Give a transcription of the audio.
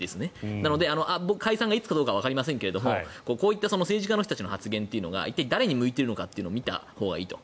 なので、解散がいつかはわかりませんがこういった政治家の人たちの発言というのが一体誰に向かっているのか見たほうがいいと。